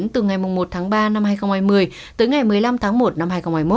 từ ngày một tháng ba năm hai nghìn hai mươi tới ngày một mươi năm tháng một năm hai nghìn hai mươi một